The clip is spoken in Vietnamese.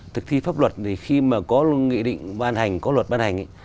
thực thi pháp luật thì khi mà có nghị định ban hành có luật ban hành